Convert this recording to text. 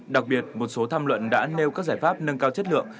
đặc biệt một số tham luận đã nêu các giải pháp nâng cao chất lượng